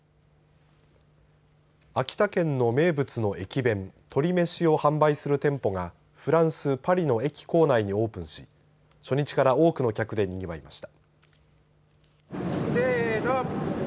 秋田県の名物の駅弁鶏めしを販売する店舗がフランス・パリの駅構内にオープンし初日から多くの客でにぎわいました。